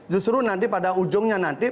justru nanti pada ujungnya nanti